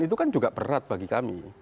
itu kan juga berat bagi kami